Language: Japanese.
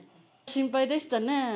心配でしたね。